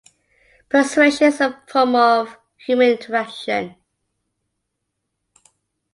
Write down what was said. Persuasion is a form of human interaction.